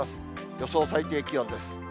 予想最低気温です。